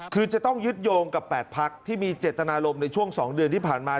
คือจะต้องยึดโยงกับ๘พักที่มีเจตนารมณ์ในช่วง๒เดือนที่ผ่านมา